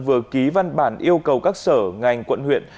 vừa ký văn bản yêu cầu các sở ngành quận huyện